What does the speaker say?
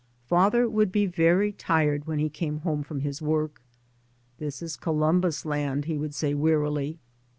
Father would be very tired when he came home from his work. " This is Columbus' land," he would say wearily.